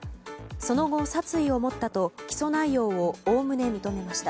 その後、殺意を持ったと起訴内容をおおむね認めました。